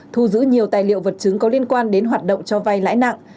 thu giữ nhiều tài liệu vật chứng có liên quan đến hoạt động cho vay lãi nặng